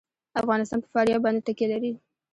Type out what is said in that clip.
افغانستان په فاریاب باندې تکیه لري.